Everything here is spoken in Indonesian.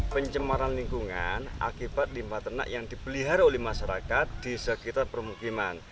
pencemaran lingkungan akibat limbah ternak yang dipelihara oleh masyarakat di sekitar permukiman